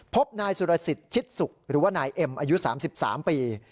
พบนายสุรสิทธิ์ชิดสุขหรือว่านายเอ็มอายุ๓๓ปี